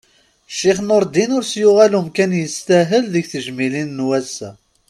Ccix Nurdin ur s-yuɣal umkan yestahel deg tejmilin n wassa.